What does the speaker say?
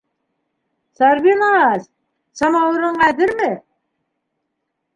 Сәрбиназ, самауырың әҙерме?